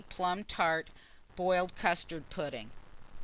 Plum tart, boiled custard pudding.